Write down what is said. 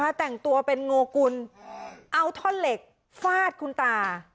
แต่งตัวเป็นโงกุลเอาท่อนเหล็กฟาดคุณตา